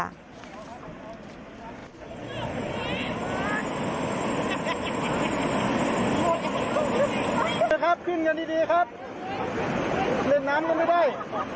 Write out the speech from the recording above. นะครับขึ้นกันดีครับเล่นน้ำก็ไม่ได้